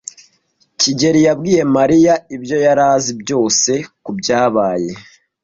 kigeli yabwiye Mariya ibyo yari azi byose kubyabaye.